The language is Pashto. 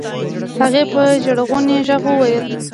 هغې په ژړغوني غږ وويل.